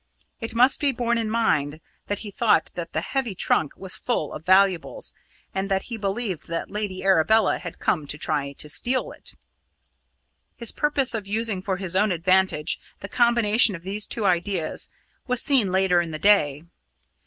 It must be borne in mind that he thought that the heavy trunk was full of valuables, and that he believed that Lady Arabella had come to try to steal it. His purpose of using for his own advantage the combination of these two ideas was seen later in the day.